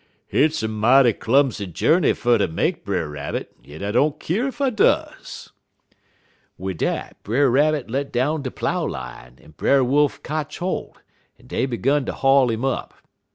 "'Hit's a mighty clumsy journey fer ter make, Brer Rabbit, yit I don't keer ef I does.' "Wid dat, Brer Rabbit let down de plough line, en Brer Wolf kotch holt, en dey 'gun ter haul 'im up.